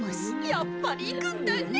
やっぱりいくんだね。